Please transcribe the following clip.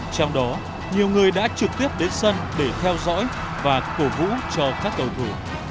trong đó nhiều người đã trực tiếp đến sân để theo dõi và cổ vũ cho các cầu thủ